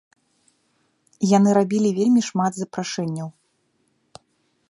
Яны рабілі вельмі шмат запрашэнняў.